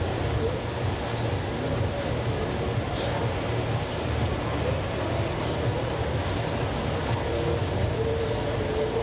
สวัสดีครับสวัสดีครับ